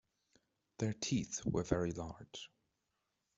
Their teeth were very large.